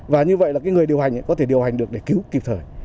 và như vậy là người điều hành có thể điều hành được để cứu kịp thời